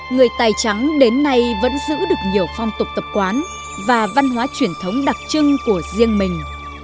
người tài trắng đến nay vẫn giữ được nhiều phong tục tập quán và văn hóa truyền thống đặc trưng của riêng mình